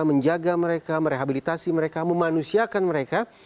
menjaga mereka merehabilitasi mereka memanusiakan mereka